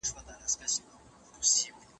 موږ بايد د خپلو پلرونو له تجربو ګټه واخلو.